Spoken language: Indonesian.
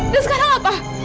dan sekarang apa